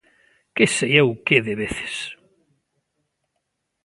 Que sei eu que de veces.